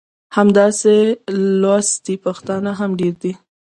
همداسې لوستي پښتانه هم ډېر دي.